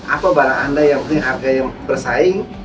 apa barang anda yang punya harga yang bersaing